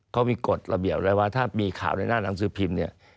เขามีกฎระเบียบไว้ว่าถ้ามีข่าวในหน้าหนังสือพิมพ์เนี่ย